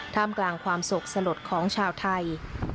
มกลางความโศกสลดของชาวไทย